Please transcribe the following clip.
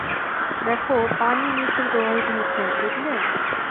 দেখো পানিও নিচ থেকে প্রবাহিত হচ্ছে দেখলে?